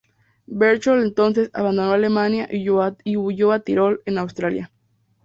Berchtold entonces abandonó Alemania y huyó al Tirol, en Austria.